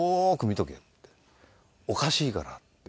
「おかしいから」って。